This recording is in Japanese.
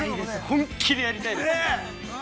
本気でやりたいです。